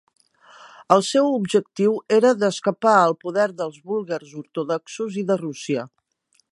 El seu objectiu era d'escapar al poder dels búlgars ortodoxos i de Rússia.